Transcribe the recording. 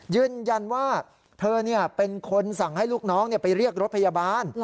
ยืนยันว่าเธอเป็นคนสั่งให้ลูกน้องไปเรียกรถพยาบาล